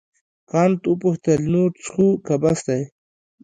کانت وپوښتل نور څښو که بس دی.